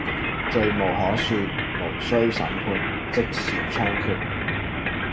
罪無可恕，無需審判，即時槍決